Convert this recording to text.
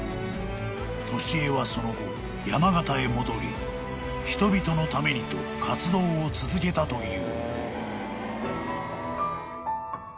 ［年恵はその後山形へ戻り人々のためにと活動を続けたという］